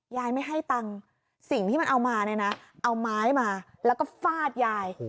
ยายไม่ให้ตังค์สิ่งที่มันเอามาเนี่ยนะเอาไม้มาแล้วก็ฟาดยาย